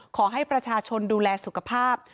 ขอให้ประชาชนดูแลสุขภาพ